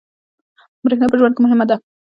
برېښنا په ژوند کې مهمه اړتیا ده.